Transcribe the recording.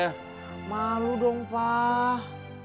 kamalu dong pak